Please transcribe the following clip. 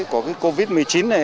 của covid một mươi chín này